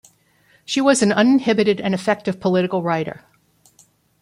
She was an uninhibited and effective political writer.